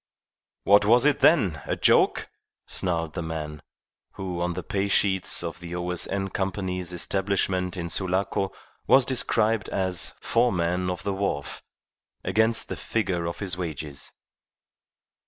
"What was it, then? A joke?" snarled the man, who on the pay sheets of the O.S.N. Company's establishment in Sulaco was described as "Foreman of the wharf" against the figure of his wages.